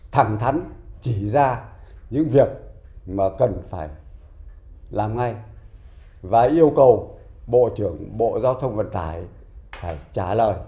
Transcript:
thẳng thắn chỉ ra những việc mà cần phải làm ngay và yêu cầu bộ trưởng bộ giao thông vận tải phải trả lời